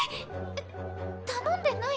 えっ頼んでない？